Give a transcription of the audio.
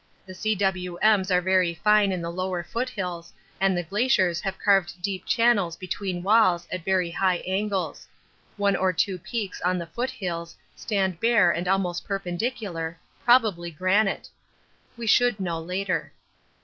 The cwms are very fine in the lower foot hills and the glaciers have carved deep channels between walls at very high angles; one or two peaks on the foot hills stand bare and almost perpendicular, probably granite; we should know later.